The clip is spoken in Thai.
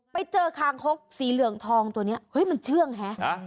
ไปเจอคางคกสีเหลืองทองตัวนี้เฮ้ยมันเชื่องฮะ